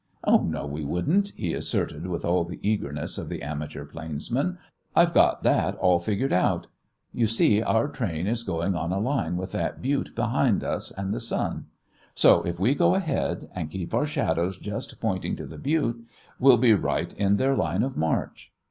"Oh, no, we wouldn't!" he asserted with all the eagerness of the amateur plainsman. "I've got that all figured out. You see, our train is going on a line with that butte behind us and the sun. So if we go ahead, and keep our shadows just pointing to the butte, we'll be right in their line of march."